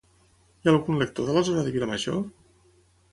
Hi ha algun lector de la zona de Vilamajor?